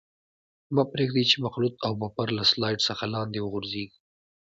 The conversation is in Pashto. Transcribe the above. مه پرېږدئ چې مخلوط او بفر له سلایډ څخه لاندې وغورځيږي.